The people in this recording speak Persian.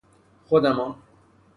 خودمان